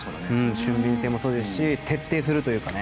俊敏性もそうですし徹底するというかね